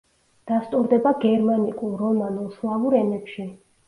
დასტურდება გერმანიკულ, რომანულ, სლავურ ენებში.